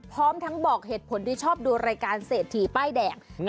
พร้อมทั้งบอกเหตุผลที่ชอบดูรายการเศรษฐีป้ายแดง